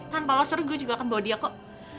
tanpa lo seru gue juga akan bawa dia kok